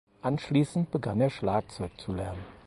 Anschließend begann er Schlagzeug zu lernen.